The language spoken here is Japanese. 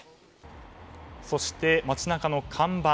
そして、街中の看板